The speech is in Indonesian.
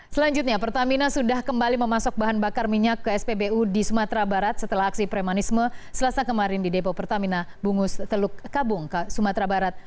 selanjutnya pertamina sudah kembali memasuk bahan bakar minyak ke spbu di sumatera barat setelah aksi premanisme selasa kemarin di depo pertamina bungus teluk kabung sumatera barat